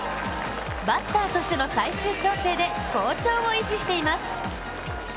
バッターとしての最終調整で好調を維持しています。